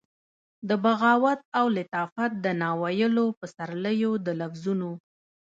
د بغاوت او لطافت د ناویلو پسرلیو د لفظونو،